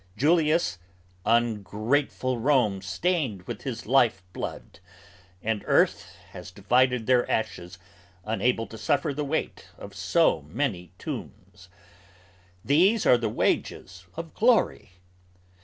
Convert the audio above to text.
Julius, ungrateful Rome stained with his life blood. And earth has divided their ashes, unable to suffer The weight of so many tombs. These are the wages of glory!